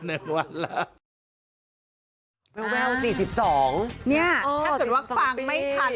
เนี่ยถ้าสมมุติว่าฟังไม่ทัน